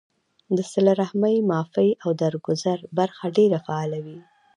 د صله رحمۍ ، معافۍ او درګذر برخه ډېره فعاله وي